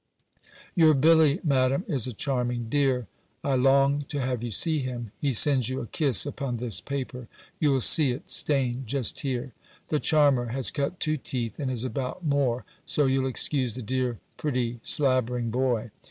B. Your Billy, Madam, is a charming dear! I long to have you see him. He sends you a kiss upon this paper. You'll see it stained, just here. The charmer has cut two teeth, and is about more: so you'll excuse the dear, pretty, slabbering boy.